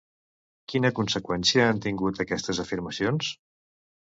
Quina conseqüència han tingut aquestes afirmacions?